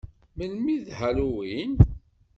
Melmi i d Halloween?